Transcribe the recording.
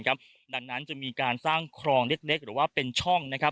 ดังนั้นจะมีการสร้างคลองเล็กหรือว่าเป็นช่อง